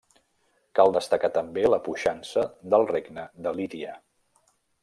Cal destacar també la puixança del Regne de Lídia.